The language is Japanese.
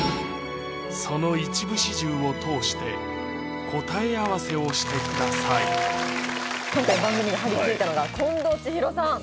その一部始終を通して答え合わせをしてください今回番組が張り付いたのが近藤千尋さん